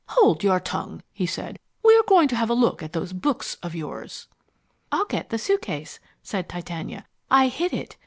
"Hold your tongue!" he said. "We're going to have a look at those books of yours." "I'll get the suitcase," said Titania. "I hid it.